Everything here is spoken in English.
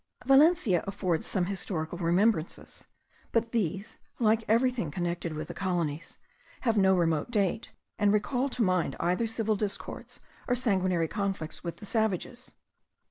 Valencia affords some historical remembrances; but these, like everything connected with the colonies, have no remote date, and recall to mind either civil discords or sanguinary conflicts with the savages.